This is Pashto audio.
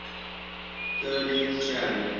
ته ډېر هوښیار یې.